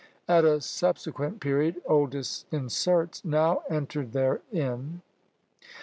At a subsequent period Oldys inserts, "Now entered therein."